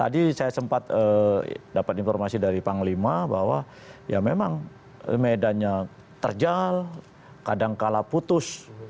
dapat informasi dari panglima bahwa ya memang medannya terjal kadang kalah putus